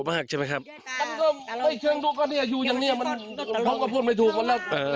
แต่อารมณ์มันเปลี่ยนแปลงด้วยก่อน